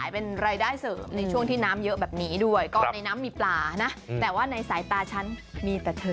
เป็นรายได้เสริมในช่วงที่น้ำเยอะแบบนี้ด้วยก็ในน้ำมีปลานะแต่ว่าในสายตาฉันมีแต่เธอ